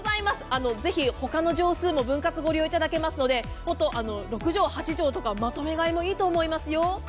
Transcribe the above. ぜひ、他の畳数も分割、利用できますので６畳、８畳とかまとめ買いもいいと思いますよ。